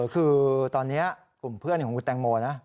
คือตอนนี้กลุ่มเพื่อนของคุณแตงโมนะ